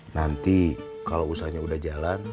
nanti kalau usahanya udah jalan